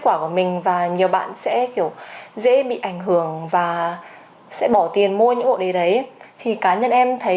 quả của mình và nhiều bạn sẽ kiểu dễ bị ảnh hưởng và sẽ bỏ tiền mua những bộ đề đấy thì cá nhân em thấy